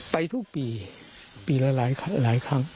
ไปทุกปีปีละหลายครั้ง